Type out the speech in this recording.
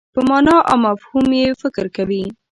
په مانا او مفهوم یې فکر کوي.